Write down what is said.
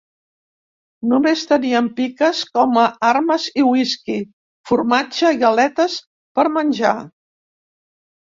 Només tenien piques com a armes i whisky, formatge i galetes per menjar.